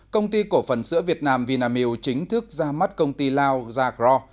công ty cổ phần sữa việt nam vinamil chính thức ra mắt công ty lào zagro